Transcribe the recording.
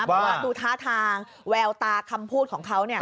เพราะว่าตัวท้าทางแววตาคำพูดของเขา